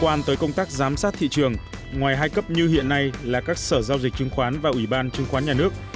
quan tới công tác giám sát thị trường ngoài hai cấp như hiện nay là các sở giao dịch chứng khoán và ủy ban chứng khoán nhà nước